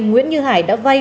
nguyễn như hải đã vay